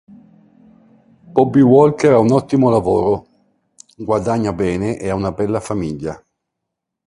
Bobby Walker ha un ottimo lavoro, guadagna bene ed ha una bella famiglia.